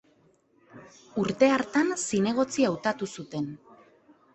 Urte hartan, zinegotzi hautatu zuten.